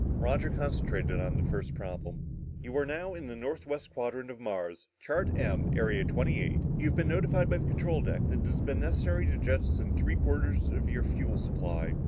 Roger concentrated on the first problem. "... you are now in the northwest quadrant of Mars, chart M, area twenty eight. You have been notified by the control deck that it has been necessary to jettison three quarters of your fuel supply.